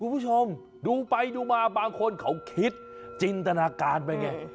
คุณผู้ชมดูไปดูมาบางคนเขาคิดจินตนาการไปไง